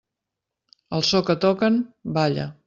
Al so que toquen, balla.